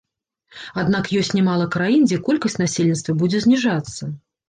Аднак ёсць нямала краін, дзе колькасць насельніцтва будзе зніжацца.